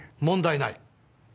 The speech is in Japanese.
問題ない。